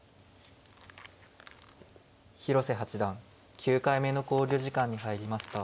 広瀬八段９回目の考慮時間に入りました。